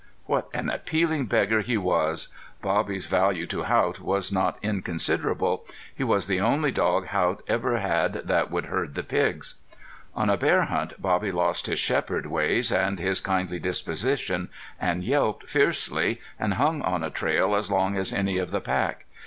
What an appealing beggar he was! Bobby's value to Haught was not inconsiderable. He was the only dog Haught ever had that would herd the pigs. On a bear hunt Bobby lost his shepherd ways and his kindly disposition, and yelped fiercely, and hung on a trail as long as any of the pack.